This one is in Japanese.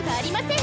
ん？